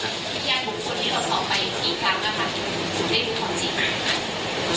พยานบุคคลที่เราสอบไปกี่ครั้งนะครับในเและมุฒร์สมจิก